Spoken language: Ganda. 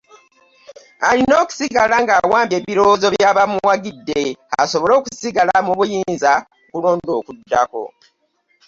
Alina okusigala ng’awambye ebirowoozo by’abamuwagidde asobole okusigala mu buyinza ku kulonda okunaddako.